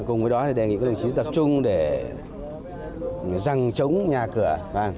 cùng với đó đề nghị các đồng chí tập trung để răng trống nhà cửa